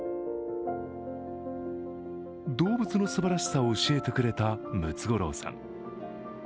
動物のすばらしさを教えてくれたムツゴロウさん。